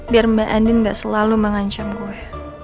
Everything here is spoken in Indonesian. biar mbak andin gak selalu mengancam gue